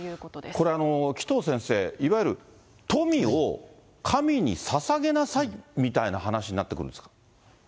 これ、紀藤先生、いわゆる富を神にささげなさいみたいな話になってくるんですか。